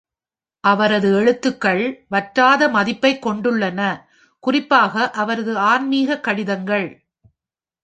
அவரது எழுத்துக்கள் வற்றாத மதிப்பைக் கொண்டுள்ளன, குறிப்பாக அவரது "ஆன்மீக கடிதங்கள்".